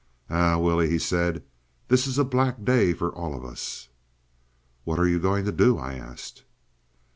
"Eh, Willie," he said, "this is a black day for all of us." "What are you going to do?" I asked.